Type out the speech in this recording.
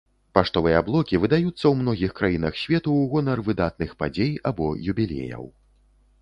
Паштовыя блокі выдаюцца ў многіх краінах свету ў гонар выдатных падзей або юбілеяў.